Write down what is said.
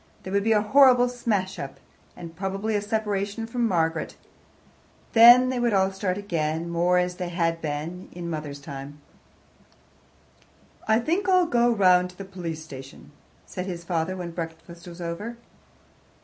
There would be a horrible smash up, and probably a separation from Margaret; then they would all start again, more as they had been in his mother's time. "I think I'll go round to the police station," said his father when breakfast was over.